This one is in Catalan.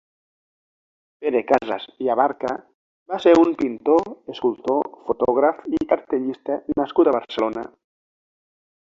Pere Casas i Abarca va ser un pintor, escultor, fotògraf i cartellista nascut a Barcelona.